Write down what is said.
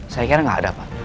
saya kira nggak ada apa